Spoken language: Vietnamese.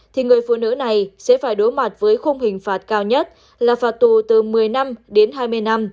thì người phụ nữ này sẽ phải đối mặt với khung hình phạt cao nhất là phạt tù từ một mươi năm đến hai mươi năm